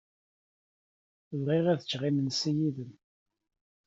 Bɣiɣ ad ččeɣ imensi yid-m.